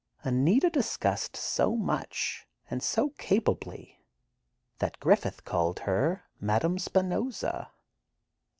Anita discussed so much, and so capably, that Griffith called her "Madame Spinoza."